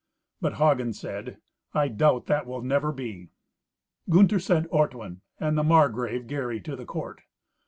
But Hagen said, "I doubt that will never be." Gunther sent Ortwin and the Margrave Gary to the court.